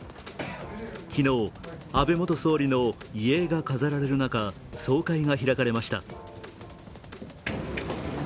昨日、安倍元総理の遺影が飾られる中総会が開かれました。